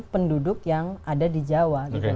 penduduk yang ada di jawa